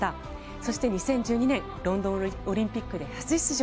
そして、２０１２年ロンドンオリンピックで初出場。